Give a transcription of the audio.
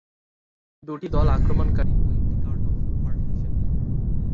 দুটি দল আক্রমণকারী ও একটি কাট অফ পার্টি হিসেবে।